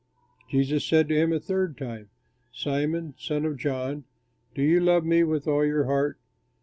Jesus said to him a third time, "Simon, son of John, do you love me with all your heart?"